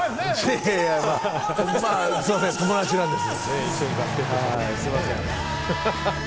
すいません、友達なんです。